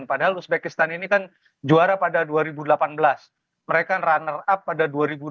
padahal uzbekistan ini kan juara pada dua ribu delapan belas mereka runner up pada dua ribu dua puluh